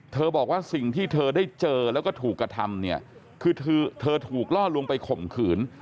บอกว่าสิ่งที่เธอได้เจอแล้วก็ถูกกระทำเนี่ยคือเธอถูกล่อลวงไปข่มขืน